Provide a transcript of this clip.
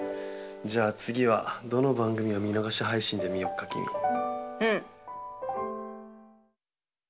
じゃあ次はどの番組を見逃し配信で見よっかキミ。